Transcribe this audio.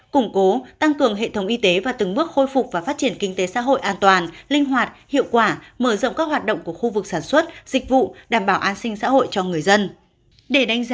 củng cố tăng cường hệ thống y tế và từng bước khôi phục và phát triển kinh tế xã hội an toàn linh hoạt hiệu quả mở rộng các hoạt động của khu vực sản xuất dịch vụ đảm bảo an sinh xã hội cho người dân